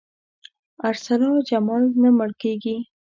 ارسلا جمال نه مړ کېږي.